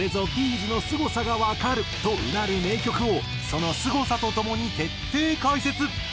’ｚのすごさがわかると唸る名曲をそのすごさとともに徹底解説。